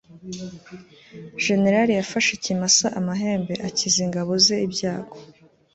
jenerali yafashe ikimasa amahembe, akiza ingabo ze ibyago